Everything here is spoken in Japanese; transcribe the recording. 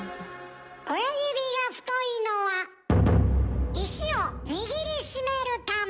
親指が太いのは石を握りしめるため。